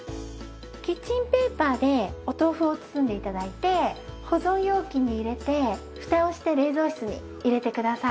キッチンペーパーでお豆腐を包んで頂いて保存容器に入れてふたをして冷蔵室に入れてください。